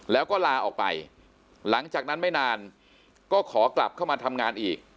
แล้วก็ลาออกไปหลังจากนั้นไม่นานก็ขอกลับเข้ามาทำงานอีก